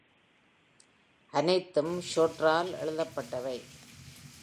அனைத்தும் Shorter ஆல் எழுதப்பட்டவை.